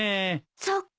そっか。